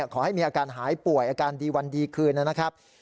ขอให้มีอาการหายป่วยอาการดีวันดีคืนนะครับ